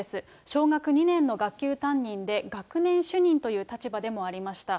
小学２年の学級担任で、学年主任という立場でもありました。